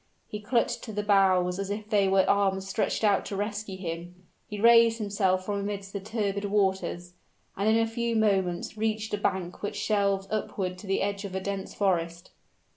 He clung to the boughs as if they were arms stretched out to rescue him; he raised himself from amidst the turbid waters and in a few moments reached a bank which shelved upward to the edge of a dense forest.